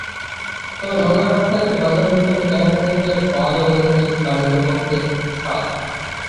তবে নগরের রাস্তাঘাটে, বাজারে, দোকানে কেনাকাটায় গেলে পাওয়া যাবে ঐতিহাসিক বাণিজ্যপথের স্বাদ।